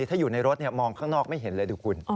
ถ้าอยู่ในรถมองข้างนอกไม่เห็นเลยดูคุณ